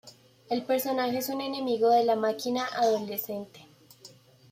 El personaje es un enemigo de la Máquina Adolescente.